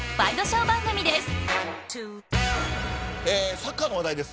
サッカーの話題です。